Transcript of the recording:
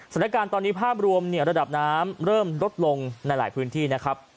สถานการณ์ตอนนี้ภาพรวมระดับน้ำเริ่มลดลงในหลายพื้นที่นะครับ